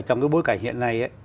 trong cái bối cảnh hiện nay